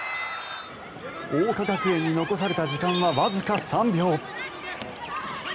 桜花学園に残された時間はわずか３秒。